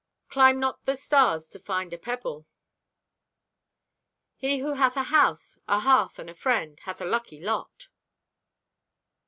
"Climb not the stars to find a pebble." "He who hath a house, a hearth and a friend hath a lucky lot."